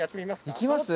いきます？